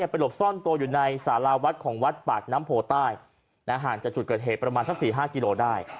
ไปหลบซ่อนตัวอยู่ในสาราวัดของวัดปากน้ำโพใต้ห่างจากจุดเกิดเหตุประมาณสัก๔๕กิโลได้